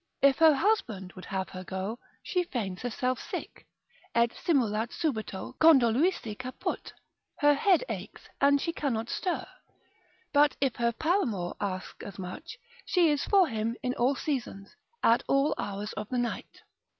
If her husband would have her go, she feigns herself sick, Et simulat subito condoluisse caput: her head aches, and she cannot stir: but if her paramour ask as much, she is for him in all seasons, at all hours of the night.